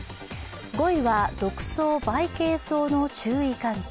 ５位は、毒草・バイケイソウの注意喚起。